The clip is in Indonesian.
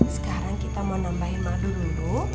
sekarang kita mau nambahin madu dulu